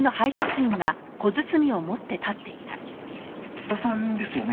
津田さんですよね？